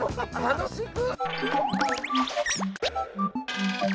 楽しく。